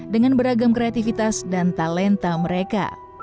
dengan beragam kreativitas dan talenta mereka